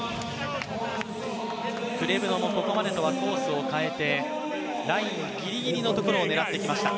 クレブノもこれまでとはコースを変えてラインぎりぎりのところを狙ってきました。